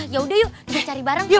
yaudah yuk kita cari bareng